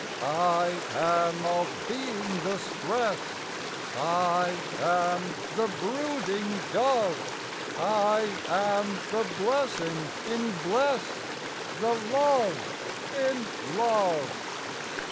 I am of being the stress, I am the brooding Dove, I am the blessing in "bless," The Love in love.